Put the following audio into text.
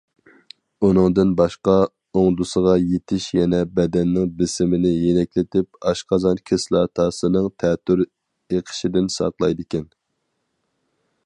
ئۇنىڭدىن باشقا، ئوڭدىسىغا يېتىش يەنە بەدەننىڭ بېسىمىنى يېنىكلىتىپ، ئاشقازان كىسلاتاسىنىڭ تەتۈر ئېقىشىدىن ساقلايدىكەن.